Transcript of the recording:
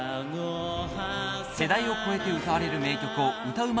世代を超えて歌われる名曲を歌うま